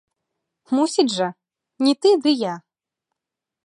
Мусіць жа, не ты, ды я!